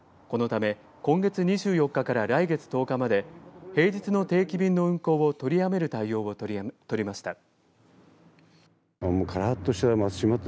このため今月２４日から来月１０日まで平日の定期便の運航を取りやめる対応をとりました。